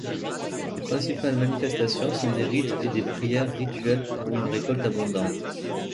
Ses principales manifestations sont des rites et des prières rituelles pour une récolte abondante.